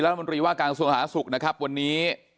และบรรดิว่ากางส่วนขาสุขนะครับวันนี้